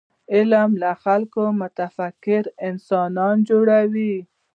علم له خلکو متفکر انسانان جوړوي.